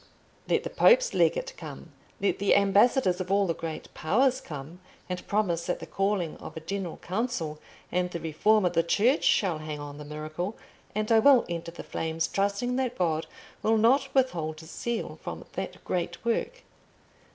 Let the Pope's legate come, let the ambassadors of all the great Powers come and promise that the calling of a General Council and the reform of the Church shall hang on the miracle, and I will enter the flames, trusting that God will not withhold His seal from that great work.